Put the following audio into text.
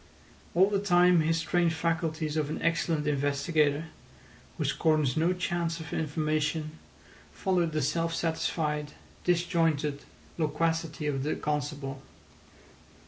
All the time his trained faculties of an excellent investigator, who scorns no chance of information, followed the self satisfied, disjointed loquacity of the constable.